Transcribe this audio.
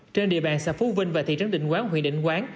trên địa bàn xã phú vinh và thị trấn định quán huyện định quán